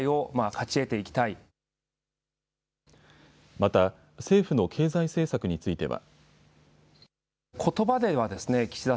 また政府の経済政策については。